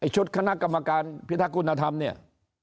ชุดคณะกรรมการพิทักคุณธรรมเนี่ย